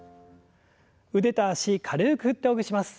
腕と脚軽く振ってほぐします。